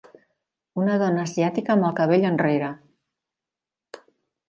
Una dona asiàtica amb el cabell enrere.